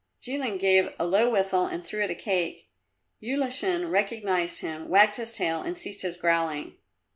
Jilin gave a low whistle and threw it a cake. Ulashin recognized him, wagged his tail and ceased his growling.